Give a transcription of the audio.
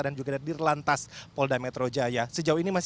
dan juga di lantas polda metro jaya